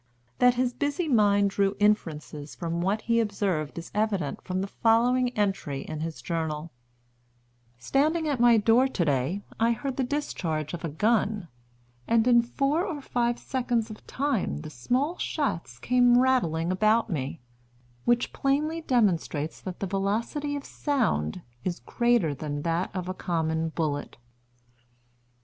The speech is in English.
That his busy mind drew inferences from what he observed is evident from the following entry in his Journal: "Standing at my door to day, I heard the discharge of a gun, and in four or five seconds of time the small shots came rattling about me, which plainly demonstrates that the velocity of sound is greater than that of a common bullet."